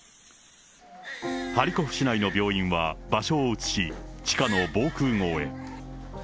ハリコフ市内の病院は場所を移し、地下の防空ごうへ。